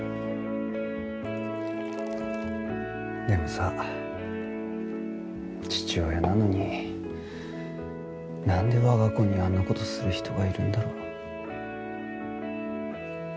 でもさ父親なのになんで我が子にあんな事する人がいるんだろう。